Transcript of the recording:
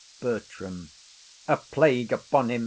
BERTRAM. A plague upon him!